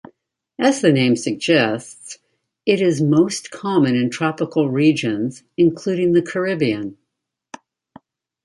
As the name suggests, it is most common in tropical regions, including the Caribbean.